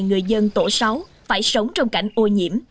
người dân tổ sáu phải sống trong cảnh ô nhiễm